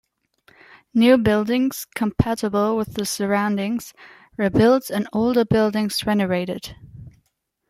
New buildings, "compatible with the surroundings", were built and older buildings renovated.